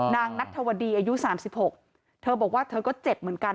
นางนัทธวดีอายุ๓๖เธอบอกว่าเธอก็เจ็บเหมือนกัน